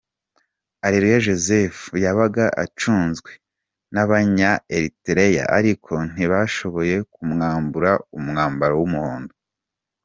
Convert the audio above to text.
Areruya Joseph yabaga acunzwe n’abanya Eritrea ariko ntibashoboye kumwambura umwambaro w’umuhondo